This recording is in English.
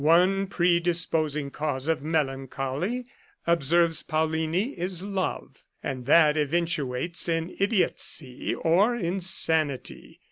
One predisposing cause of melancholy, observes Paullini, is love, and that eventuates in idiotcy or insanity.